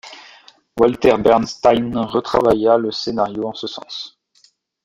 Walter Bernstein retravailla le scénario en ce sens.